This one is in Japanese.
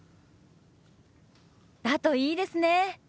だといいですね。